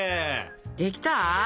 できた？